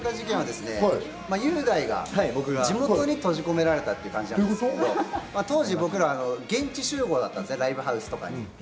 雄大が地元に閉じ込められたということなんですが当時、僕ら現地集合だったんです、ライブハウスとか。